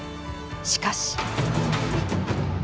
しかし。